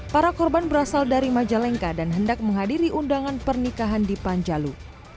para korban berasal dari majalengka dan hendak menghadiri undangan pernikahan di panjalu